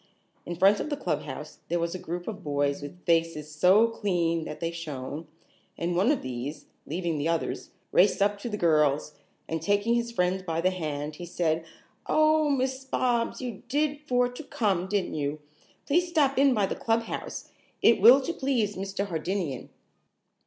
In front of the clubhouse there was a group of boys with faces so clean that they shone, and one of these, leaving the others, raced up to the girls, and taking his friend by the hand, he said: "Oh, Miss Bobs, you did for to come, didn't you? Please stop in by the clubhouse. It will to please Mr. Hardinian."